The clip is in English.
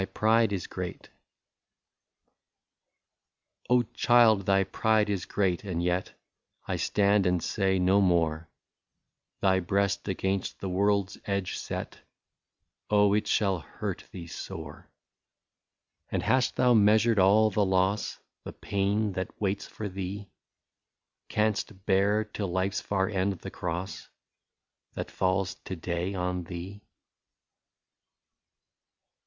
I30 THY PRIDE IS GREAT. '^ Oh ! child, thy pride is great, and yet I stand and say no more —. Thy breast against the world's edge set Oh ! it shall hurt thee sore. And hast thou measured all the loss, — The pain, that waits for thee, Canst bear, till life's far end, the cross. That falls to day on thee